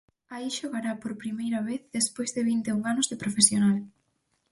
Aí xogará por primeira vez despois de vinte e un anos de profesional.